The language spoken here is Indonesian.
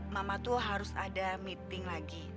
mama tuh harus ada meeting lagi